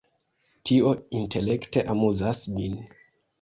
Tio intelekte amuzas min!